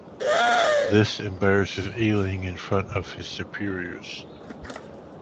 This embarrasses Eiling in front of his superiors.